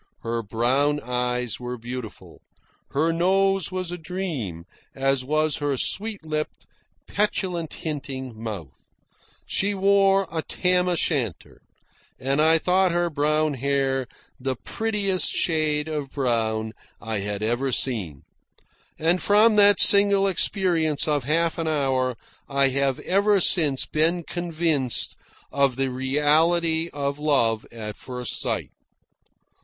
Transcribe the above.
Her brown eyes were beautiful. Her nose was a dream, as was her sweet lipped, petulant hinting mouth. She wore a tam o' shanter, and I thought her brown hair the prettiest shade of brown I had ever seen. And from that single experience of half an hour I have ever since been convinced of the reality of love at first sight.